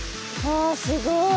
わすごい。